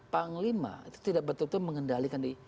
panglima itu tidak betul betul mengendalikan di